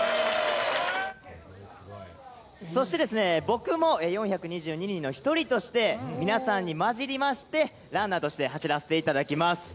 そして、僕も４２２人の１人として、皆さんに交じりまして、ランナーとして走らせていただきます。